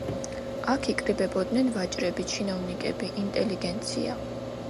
აქ იკრიბებოდნენ ვაჭრები, ჩინოვნიკები, ინტელიგენცია.